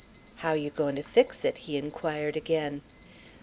"How you going to fix it?" he inquired again.